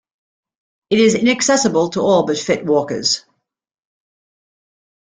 It is inaccessible to all but fit walkers.